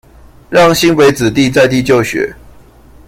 讓新北子弟在地就學